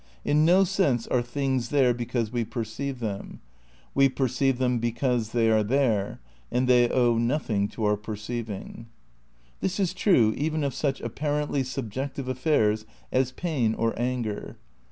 In no sense are things there because we perceive them; we perceive them because they are there and they owe nothing to our perceiving. This is true, even of such apparently subjective af fairs as pain or anger.